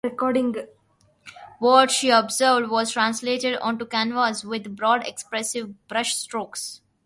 What she observed was translated onto canvas with broad expressive brushstrokes.